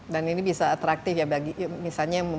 dan ini bisa atraktif ya misalnya